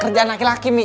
kerjaan laki laki mi